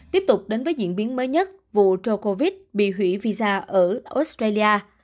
tiếp tục đến với diễn biến mới nhất vụ joe covid bị hủy visa ở australia